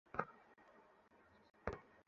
কথা বলতে চাইছিলাম।